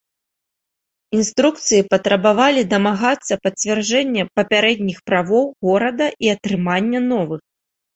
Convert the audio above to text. Інструкцыі патрабавалі дамагацца пацвярджэння папярэдніх правоў горада і атрымання новых.